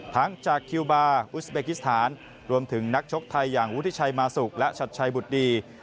จากคิวบาร์อุสเบกิสถานรวมถึงนักชกไทยอย่างวุฒิชัยมาสุกและชัดชัยบุตรดี